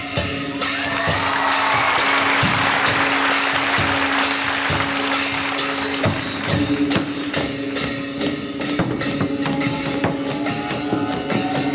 สวัสดีสวัสดี